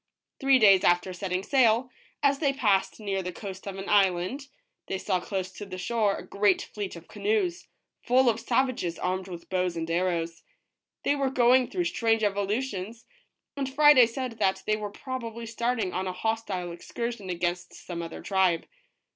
Three days after setting sail, as they passed near the coast of an island, they saw close to the shore a great fleet of ca noes, full of savages armed with bows and arrows. They were going through strange evolutions, and Friday said that they were probably starting on a hostile excursion against some other tribe.